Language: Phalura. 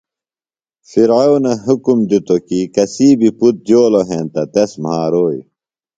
فرعونہ حُکم دِتوۡ کی کسی بیۡ پُتر جولوۡ ہینتہ تس مھاروئی۔